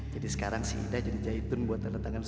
jadi sekarang sih hari ini saya jatuhkan